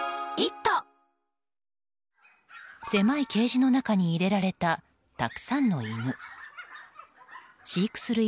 狭いケージの中に入れられたたくさんの犬。